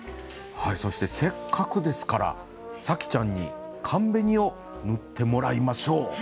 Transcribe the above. そしてせっかくですから紗季ちゃんに寒紅を塗ってもらいましょう。